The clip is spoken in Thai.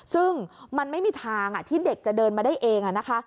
ซึ่งมันไม่มีทางที่เด็กจะเดินมาได้เอง